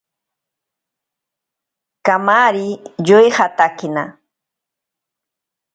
Kamari yoijatakena.